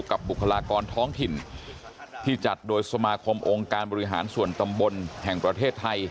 บุคลากรท้องถิ่นที่จัดโดยสมาคมองค์การบริหารส่วนตำบลแห่งประเทศไทย